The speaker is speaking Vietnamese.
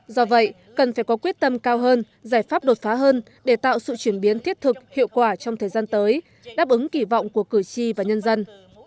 do vậy cần phải có quyết tâm cao hơn giải pháp đột phá hơn để tạo sự chuyển biến thiết thực hiệu quả trong thời gian tới đáp ứng kỳ vọng của cử tri và nhân dân